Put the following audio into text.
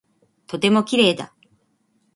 とても綺麗だ。